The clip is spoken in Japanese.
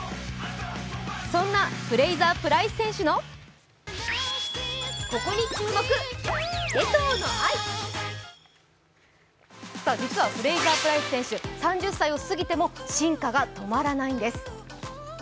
そんなフレイザープライス選手の実はフレイザープライス選手３０歳を過ぎても進化が止まらないんです。